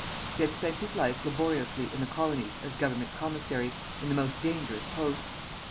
He had spent his life laboriously in the colonies as government commissary, in the most dangerous posts.